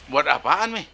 buat apaan meh